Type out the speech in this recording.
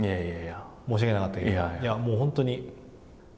申し訳なかったけど。